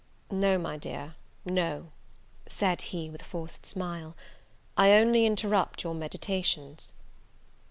"No, my dear, no," said he, with a forced smile, "I only interrupt your meditations."